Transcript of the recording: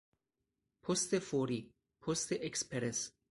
پست فوری، پست اکسپرس